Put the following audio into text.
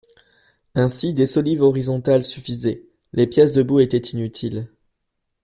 Ainsi des solives horizontales suffisaient ; les pièces debout étaient inutiles.